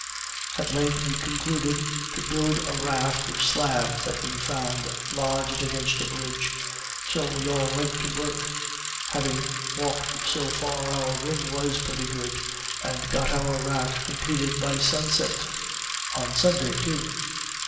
At length we concluded to build a raft of slabs that we found lodged against a bridge; so we all went to work; having walked so far, our wind was pretty good, and got our raft completed by sunset on Sunday too.